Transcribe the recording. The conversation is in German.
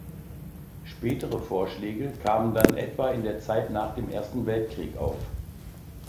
Spätere Vorschläge kamen dann etwa in der Zeit nach dem Ersten Weltkrieg auf.